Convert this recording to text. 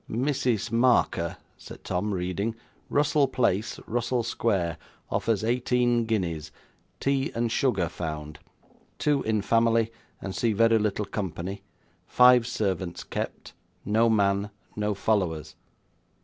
'"Mrs. Marker,"' said Tom, reading, '"Russell Place, Russell Square; offers eighteen guineas; tea and sugar found. Two in family, and see very little company. Five servants kept. No man. No followers."